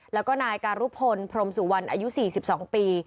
แล้วก็นายการุพลพรมสุวรรณอายุ๔๒ปี